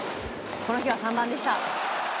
この日は３番でした。